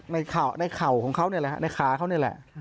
ในเข่าของเขานี่แหละในขาเขานี่แหละ